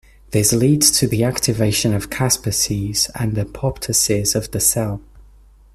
This leads to the activation of caspases and apoptosis of the cell.